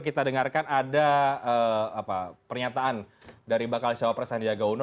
kita dengarkan ada pernyataan dari bakal sewa presiden diaga uno